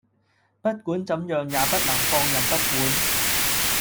不管怎樣也不能放任不管